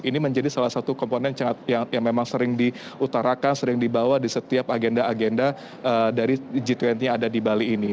ini menjadi salah satu komponen yang memang sering diutarakan sering dibawa di setiap agenda agenda dari g dua puluh yang ada di bali ini